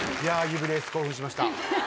指レース興奮しました。